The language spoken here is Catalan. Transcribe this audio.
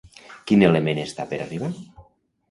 Quin element està per arribar?